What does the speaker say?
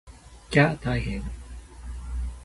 きゃー大変！